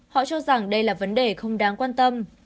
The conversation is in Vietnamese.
họ cho rằng đây là vấn đề không đáng quan tâm